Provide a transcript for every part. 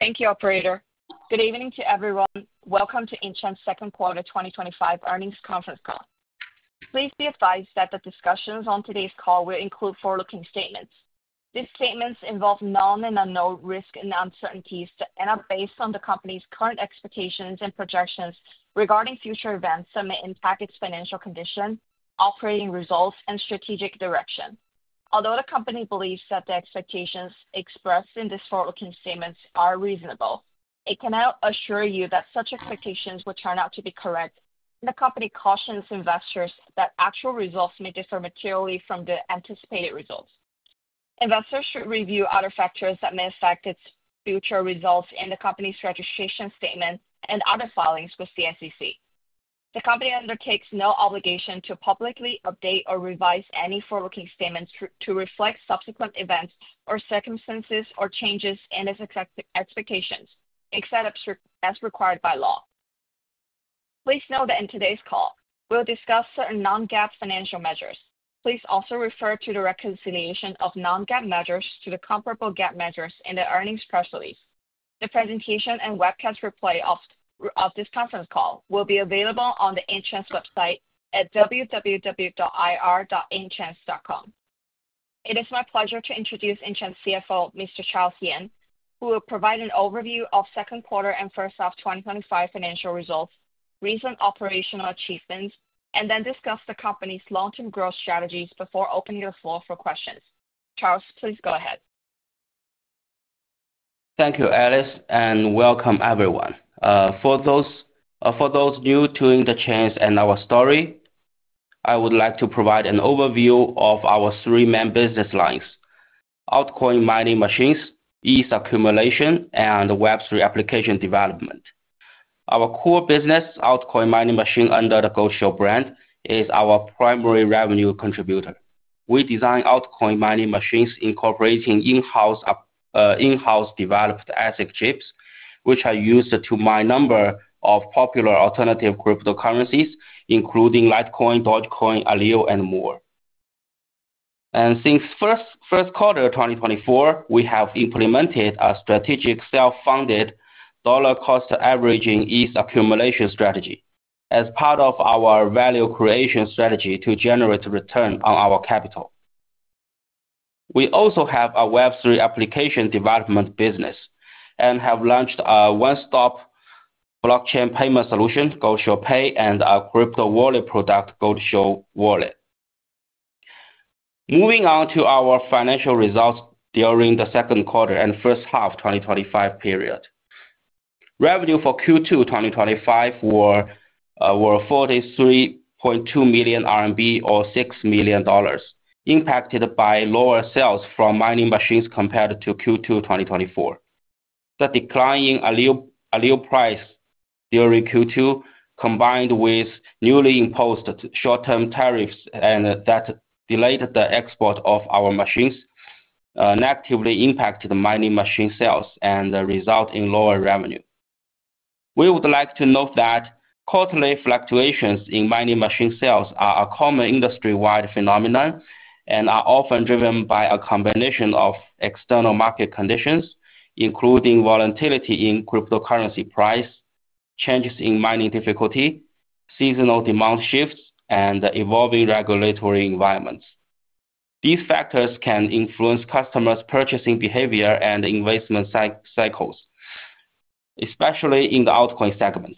Thank you, operator. Good evening to everyone. Welcome to Intchains Second Quarter 2025 Earnings Conference Call. Please be advised that the discussions on today's call will include forward-looking statements. These statements involve known and unknown risks and uncertainties that are based on the company's current expectations and projections regarding future events that may impact its financial condition, operating results, and strategic direction. Although the company believes that the expectations expressed in these forward-looking statements are reasonable, it cannot assure you that such expectations will turn out to be correct, and the company cautions investors that actual results may differ materially from the anticipated results. Investors should review other factors that may affect its future results in the company's registration statement and other filings with SEC. The company undertakes no obligation to publicly update or revise any forward-looking statements to reflect subsequent events or circumstances or changes in its expectations, except as required by law. Please note that in today's call, we will discuss certain non-GAAP financial measures. Please also refer to the reconciliation of non-GAAP measures to the comparable GAAP measures in the earnings press release. The presentation and webcast replay of this conference call will be available on the Intchains website at www.ir.intchains.com. It is my pleasure to introduce Intchains CFO, Mr. Charles Yan, who will provide an overview of second quarter and first half 2025 financial results, recent operational achievements, and then discuss the company's long-term growth strategies before opening the floor for questions. Charles, please go ahead. Thank you, Alice, and welcome everyone. For those new to Intchains and our story, I would like to provide an overview of our three main business lines: altcoin mining machines, ETH accumulation, and Web3 application development. Our core business, altcoin mining machines under the Goldshell brand, is our primary revenue contributor. We designed altcoin mining machines, incorporating in-house developed ASIC chips, which are used to mine a number of popular alternative cryptocurrencies, including Litecoin, Dogecoin, Aleo, and more. Since the first quarter of 2024, we have implemented a strategic self-funded dollar-cost averaging ETH accumulation strategy as part of our value creation strategy to generate a return on our capital. We also have a Web3 application development business and have launched a one-stop blockchain payment solution, Goldshell Pay, and a crypto wallet product, Goldshell Wallet. Moving on to our financial results during the second quarter and first half of the 2025 period, revenue for Q2 2025 was 43.2 million RMB or $6 million, impacted by lower sales from mining machines compared to Q2 2024. The decline in Aleo price during Q2, combined with newly imposed short-term tariffs that delayed the export of our machines, negatively impacted mining machine sales and resulted in lower revenue. We would like to note that quarterly fluctuations in mining machine sales are a common industry-wide phenomenon and are often driven by a combination of external market conditions, including volatility in cryptocurrency price, changes in mining difficulty, seasonal demand shifts, and evolving regulatory environments. These factors can influence customers' purchasing behavior and investment cycles, especially in the altcoin segment.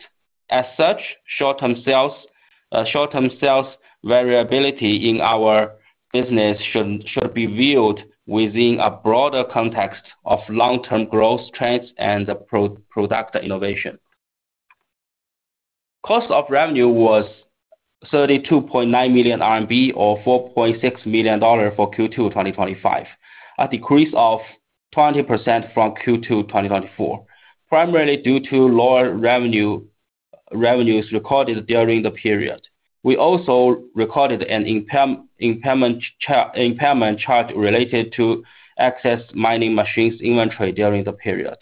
As such, short-term sales variability in our business should be viewed within a broader context of long-term growth trends and product innovation. Cost of revenue was 32.9 million RMB or $4.6 million for Q2 2025, a decrease of 20% from Q2 2024, primarily due to lower revenues recorded during the period. We also recorded an impairment charge related to excess mining machines inventory during the period.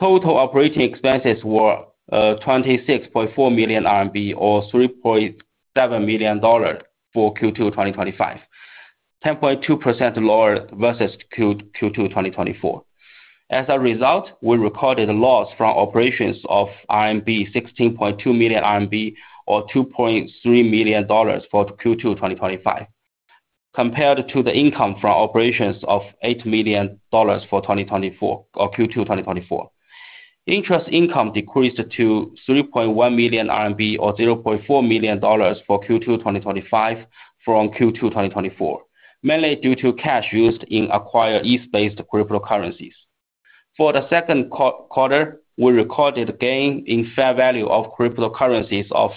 Total operating expenses were 26.4 million RMB or $3.7 million for Q2 2025, 10.2% lower versus Q2 2024. As a result, we recorded loss from operations of 16.2 million RMB or $2.3 million for Q2 2025, compared to the income from operations of $8 million for Q2 2024. Interest income decreased to 3.1 million RMB or $0.4 million for Q2 2025 from Q2 2024, mainly due to cash used in acquired ETH-based cryptocurrencies. For the second quarter, we recorded a gain in fair value of cryptocurrencies of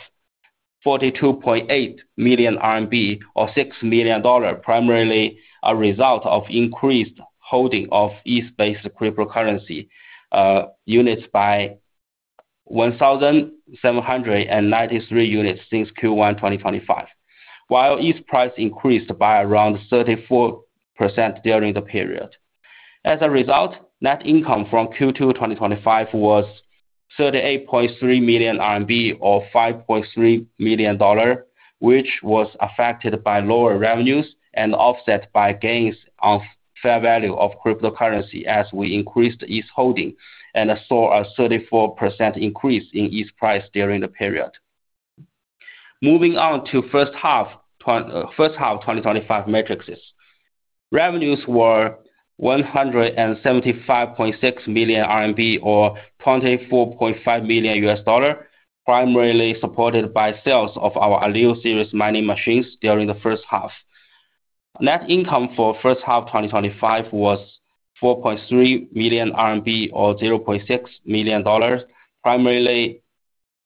42.8 million RMB or $6 million, primarily a result of increased holding of ETH-based cryptocurrency units by 1,793 units since Q1 2025, while ETH price increased by around 34% during the period. As a result, net income from Q2 2025 was 38.3 million RMB or $5.3 million, which was affected by lower revenues and offset by gains on fair value of cryptocurrency as we increased ETH holding and saw a 34% increase in ETH price during the period. Moving on to the first half 2025 metrics, revenues were 175.6 million RMB or $24.5 million, primarily supported by sales of our Aleo series mining machines during the first half. Net income for the first half of 2025 was 4.3 million RMB or $0.6 million, primarily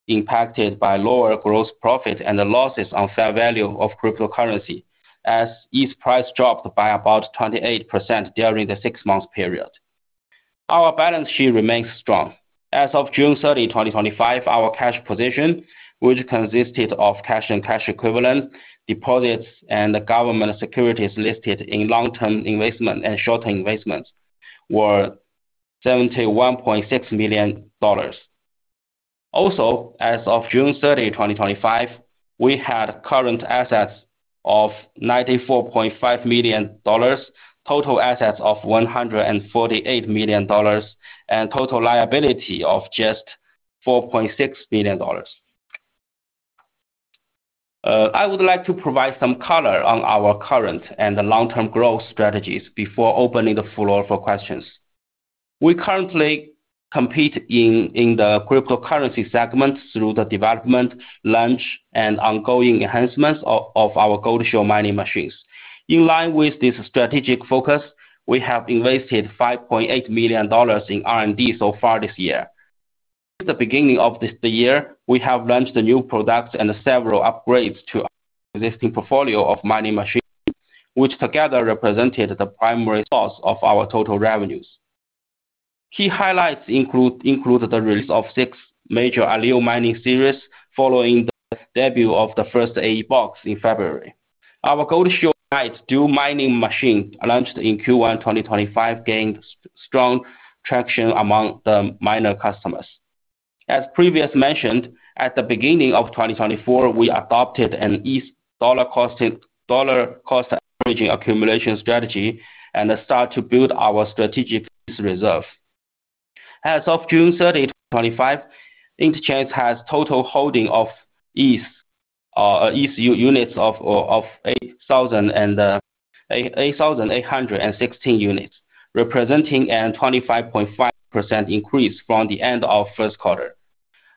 impacted by lower gross profit and losses on fair value of cryptocurrency, as ETH price dropped by about 28% during the six-month period. Our balance sheet remains strong. As of June 30, 2025, our cash position, which consisted of cash and cash equivalents, deposits, and government securities listed in long-term investment and short-term investment, was $71.6 million. Also, as of June 30, 2025, we had current assets of $94.5 million, total assets of $148 million, and total liability of just $4.6 million. I would like to provide some color on our current and long-term growth strategies before opening the floor for questions. We currently compete in the cryptocurrency segment through the development, launch, and ongoing enhancements of our Goldshell mining machines. In line with this strategic focus, we have invested $5.8 million in R&D so far this year. At the beginning of this year, we have launched new products and several upgrades to the existing portfolio of mining machines, which together represented the primary source of our total revenues. Key highlights include the release of six major Aleo mining series following the debut of the first AE box in February. Our Goldshell Byte dual-mining machines launched in Q1 2025, gaining strong traction among the miner customers. As previously mentioned, at the beginning of 2024, we adopted an ETH dollar-cost averaging accumulation strategy and started to build our strategic ETH reserve. As of June 30, 2025, Intchains has total holding of ETH units of 8,816 units, representing a 25.5% increase from the end of the first quarter.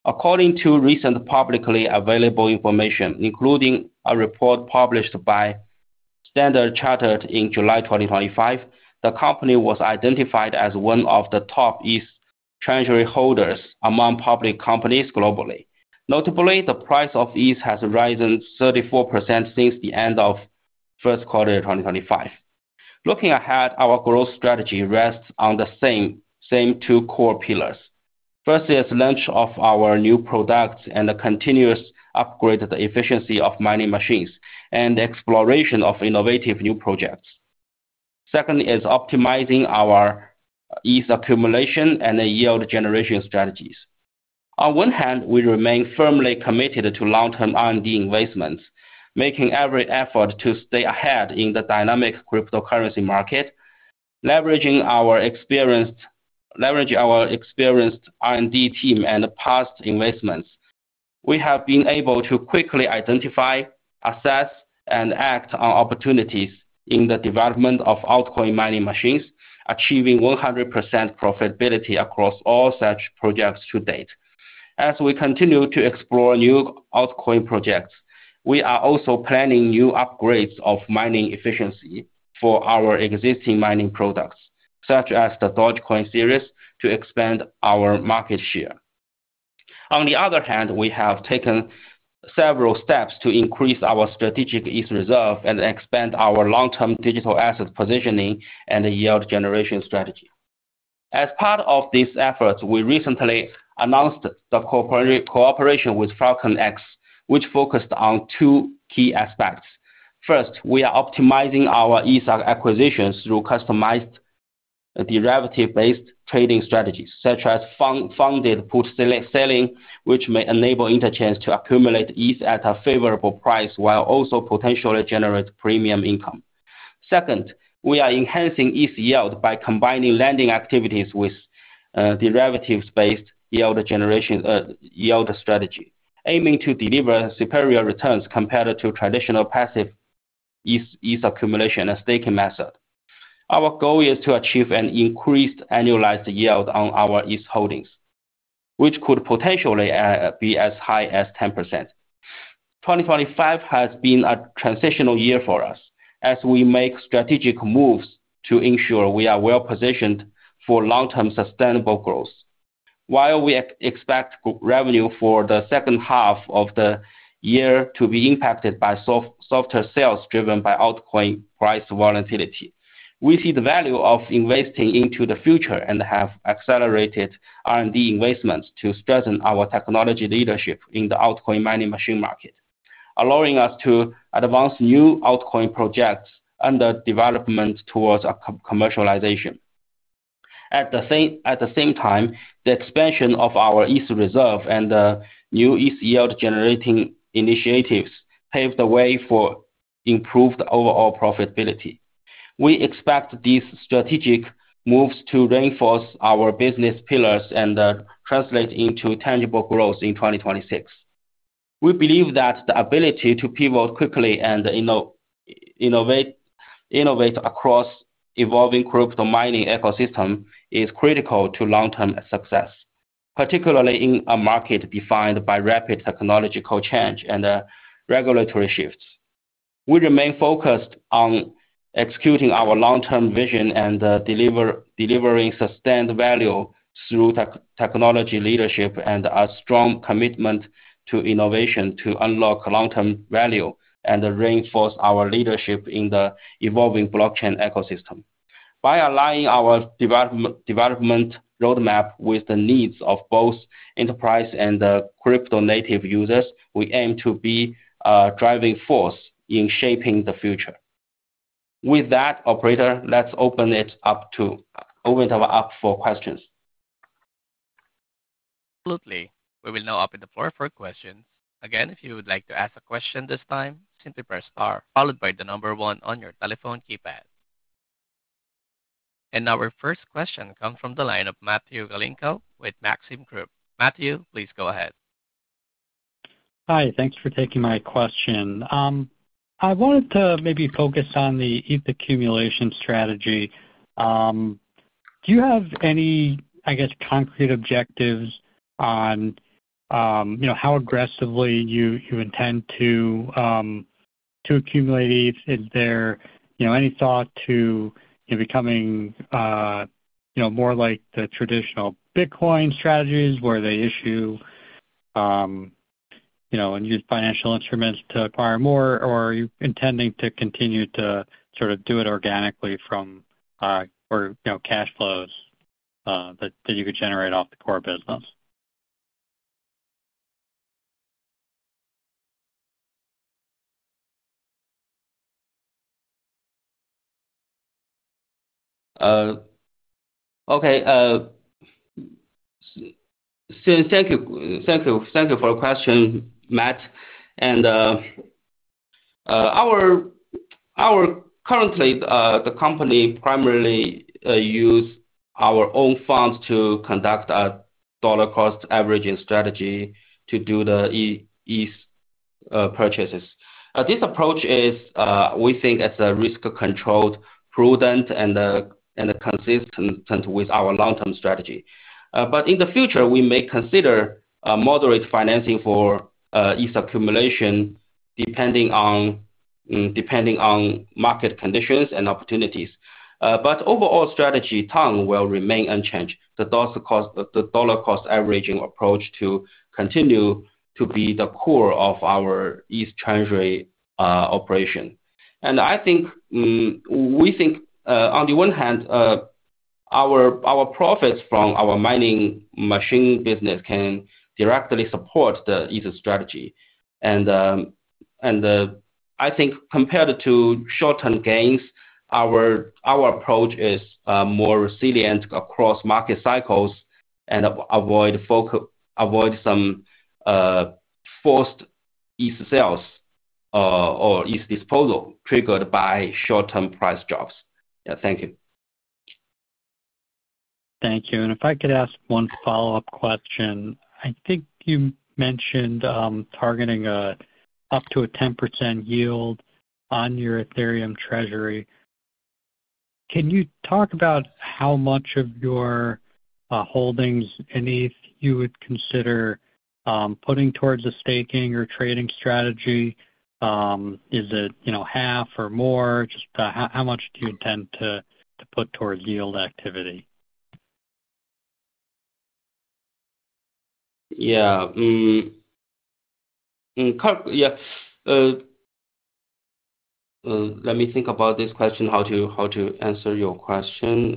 According to recent publicly available information, including a report published by Standard Chartered in July 2025, the company was identified as one of the top ETH treasury holders among public companies globally. Notably, the price of ETH has risen 34% since the end of the first quarter of 2025. Looking ahead, our growth strategy rests on the same two core pillars. First is the launch of our new products and the continuous upgrade of the efficiency of mining machines and the exploration of innovative new projects. Second is optimizing our ETH accumulation and yield generation strategies. On one hand, we remain firmly committed to long-term R&D investments, making every effort to stay ahead in the dynamic cryptocurrency market, leveraging our experienced R&D team and past investments. We have been able to quickly identify, assess, and act on opportunities in the development of altcoin mining machines, achieving 100% profitability across all such projects to date. As we continue to explore new altcoin projects, we are also planning new upgrades of mining efficiency for our existing mining products, such as the Dogecoin series, to expand our market share. On the other hand, we have taken several steps to increase our strategic ETH reserve and expand our long-term digital asset positioning and yield generation strategy. As part of this effort, we recently announced the cooperation with FalconX, which focused on two key aspects. First, we are optimizing our ETH acquisitions through customized derivative-based trading strategies, such as funded put selling, which may enable Intchains to accumulate ETH at a favorable price while also potentially generating premium income. Second, we are enhancing ETH yield by combining lending activities with derivatives-based yield strategies, aiming to deliver superior returns compared to traditional passive ETH accumulation and staking methods. Our goal is to achieve an increased annualized yield on our ETH holdings, which could potentially be as high as 10%. 2025 has been a transitional year for us, as we make strategic moves to ensure we are well positioned for long-term sustainable growth. While we expect revenue for the second half of the year to be impacted by softer sales driven by altcoin price volatility, we see the value of investing into the future and have accelerated R&D investments to strengthen our technology leadership in the altcoin mining machine market, allowing us to advance new altcoin projects and the development towards commercialization. At the same time, the expansion of our ETH reserve and the new ETH yield generating initiatives pave the way for improved overall profitability. We expect these strategic moves to reinforce our business pillars and translate into tangible growth in 2026. We believe that the ability to pivot quickly and innovate across the evolving crypto mining ecosystem is critical to long-term success, particularly in a market defined by rapid technological change and regulatory shifts. We remain focused on executing our long-term vision and delivering sustained value through technology leadership and a strong commitment to innovation to unlock long-term value and reinforce our leadership in the evolving blockchain ecosystem. By aligning our development roadmap with the needs of both enterprise and crypto native users, we aim to be a driving force in shaping the future. With that, operator, let's open it up for questions. Absolutely. We will now open the floor for a question. If you would like to ask a question this time, simply press Star followed by the number one on your telephone keypad. Our first question comes from the line of Matthew Galinko with Maxim Group. Matthew, please go ahead. Hi, thanks for taking my question. I wanted to maybe focus on the ETH accumulation strategy. Do you have any, I guess, concrete objectives on how aggressively you intend to accumulate ETH? Is there any thought to becoming more like the traditional Bitcoin strategies where they issue and use financial instruments to acquire more? Are you intending to continue to sort of do it organically from cash flows that you could generate off the core business? Okay. Thank you for the question, Matt. Currently, the company primarily uses our own funds to conduct a dollar-cost averaging strategy to do the ETH purchases. This approach is, we think, risk-controlled, prudent, and consistent with our long-term strategy. In the future, we may consider moderate financing for ETH accumulation depending on market conditions and opportunities. Overall strategy tone will remain unchanged. The dollar-cost averaging approach will continue to be the core of our ETH treasury operation. We think, on the one hand, our profits from our mining machine business can directly support the ETH strategy. Compared to short-term gains, our approach is more resilient across market cycles and avoids some forced ETH sales or ETH disposal triggered by short-term price drops. Yeah, thank you. Thank you. If I could ask one follow-up question, I think you mentioned targeting up to a 10% yield on your ETH treasury. Can you talk about how much of your holdings in ETH you would consider putting towards a staking or trading strategy? Is it half or more? Just how much do you intend to put towards yield activity? Yeah. Let me think about this question, how to answer your question.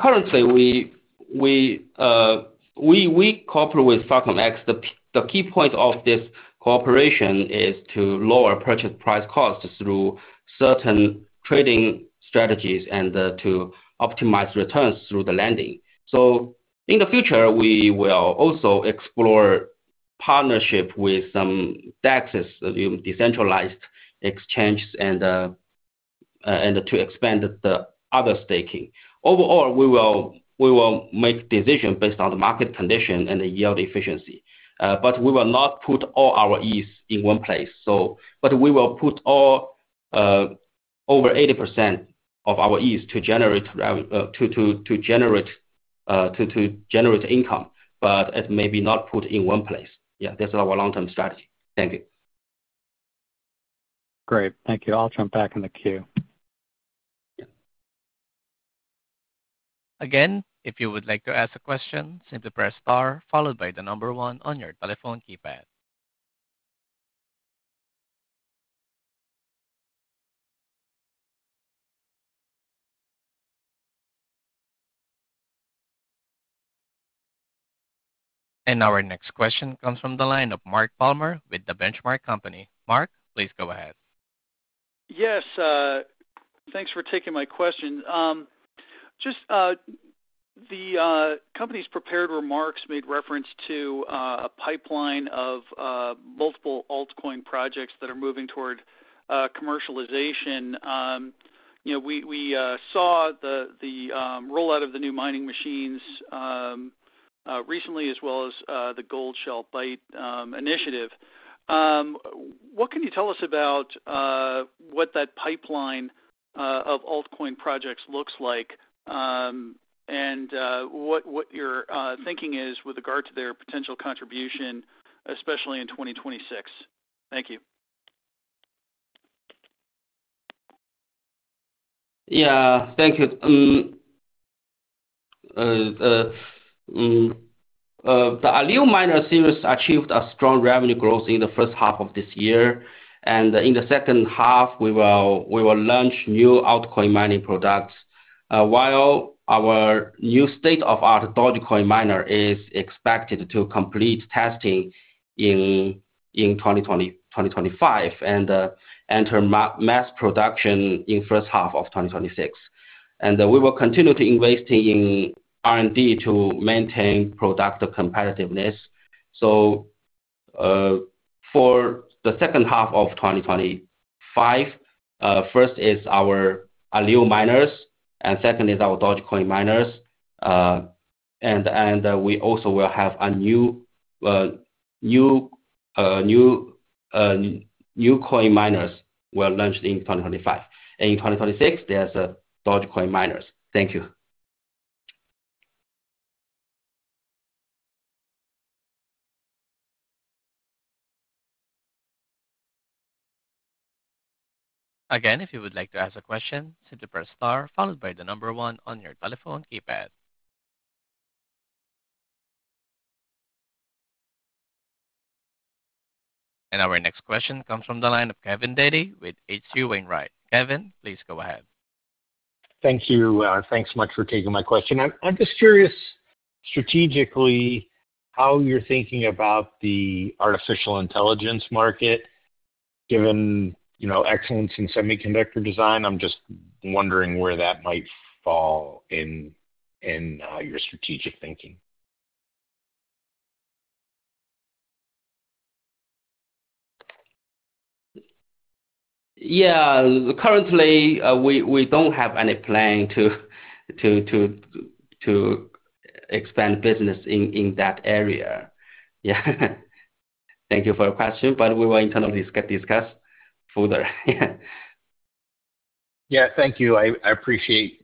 Currently, we cooperate with FalconX. The key point of this cooperation is to lower purchase price costs through certain trading strategies and to optimize returns through the lending. In the future, we will also explore partnerships with some DEXs and decentralized exchanges to expand the other staking. Overall, we will make decisions based on the market condition and the yield efficiency. We will not put all our ETH in one place. We will put all over 80% of our ETH to generate income, but it may be not put in one place. Yeah, that's our long-term strategy. Thank you. Great. Thank you. I'll jump back in the queue. If you would like to ask a question, simply press Star followed by the number one on your telephone keypad. Our next question comes from the line of Mark Palmer with The Benchmark Company. Mark, please go ahead. Yes. Thanks for taking my question. The company's prepared remarks made reference to a pipeline of multiple altcoin projects that are moving toward commercialization. We saw the rollout of the new mining machines recently, as well as the Goldshell Byte initiative. What can you tell us about what that pipeline of altcoin projects looks like and what your thinking is with regard to their potential contribution, especially in 2026? Thank you. Thank you. The Aleo mining series achieved strong revenue growth in the first half of this year. In the second half, we will launch new altcoin mining products, while our new state-of-the-art Dogecoin miner is expected to complete testing in 2025 and enter mass production in the first half of 2026. We will continue to invest in R&D to maintain product competitiveness. For the second half of 2025, first is our Aleo miners, and second is our Dogecoin miners. We also will have new coin miners that were launched in 2025. In 2026, there's Dogecoin miners. Thank you. If you would like to ask a question, simply press star followed by the number one on your telephone keypad. Our next question comes from the line of Kevin Dede with H.C. Wainwright. Kevin, please go ahead. Thank you. Thanks so much for taking my question. I'm just curious, strategically, how you're thinking about the artificial intelligence market, given you know excellence in semiconductor design. I'm just wondering where that might fall in your strategic thinking. Currently, we don't have any plan to expand business in that area. Thank you for your question, but we will internally discuss further. Thank you. I appreciate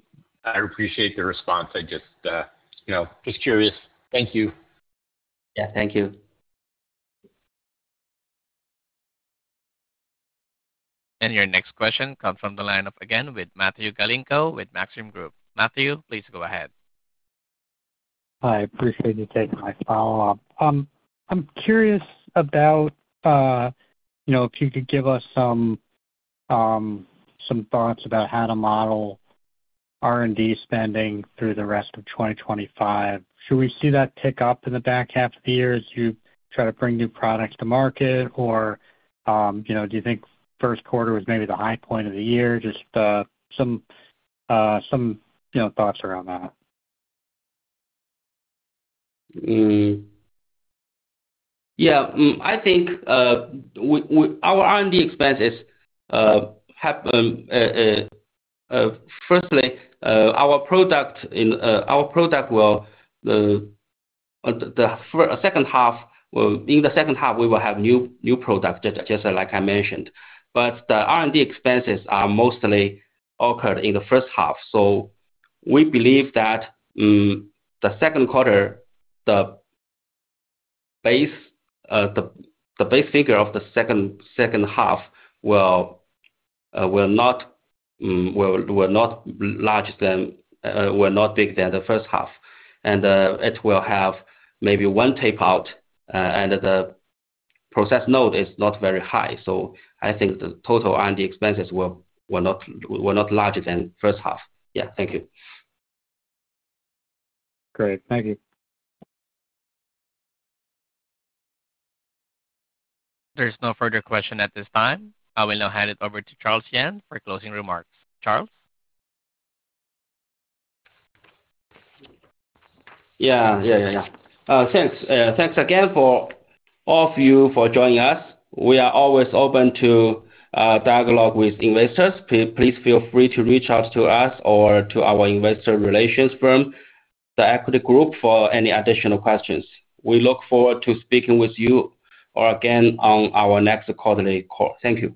the response. I'm just curious. Thank you. Thank you. Your next question comes from the lineup again with Matthew Galinko with Maxim Group. Matthew, please go ahead. Hi, I appreciate you taking my follow-up. I'm curious about if you could give us some thoughts about how to model R&D spending through the rest of 2025. Should we see that tick up in the back half of the year as you try to bring new products to market, or do you think the first quarter was maybe the high point of the year? Just some thoughts around that. Yeah, I think our R&D expenses, firstly, our product will, in the second half, we will have new products, just like I mentioned. The R&D expenses are mostly awkward in the first half. We believe that the second quarter, the base figure of the second half will not be larger than the first half. It will have maybe one takeout, and the process node is not very high. I think the total R&D expenses will not be larger than the first half. Yeah, thank you. Great. Thank you. There is no further question at this time. I will now hand it over to Charles Yan for closing remarks. Charles? Thank you again for all of you for joining us. We are always open to dialogue with investors. Please feel free to reach out to us or to our Investor Relations firm, the Equity Group, for any additional questions. We look forward to speaking with you again on our next quarterly call. Thank you.